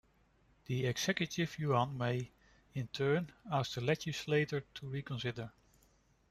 The Executive Yuan may, in turn, ask the Legislators to reconsider.